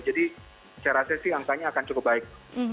jadi saya rasa sih angkanya akan cukup baik